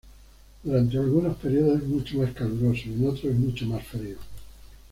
Durante algunos periodos es mucho más caluroso y en otros es mucho más frío.